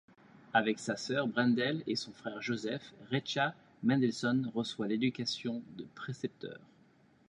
Avec sa sœur Brendel et son frère Joseph, Recha Mendelssohn reçoit l'éducation de précepteurs.